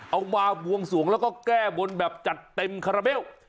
มาบวงสวงแล้วก็แก้บนแบบจัดเต็มคาราเบล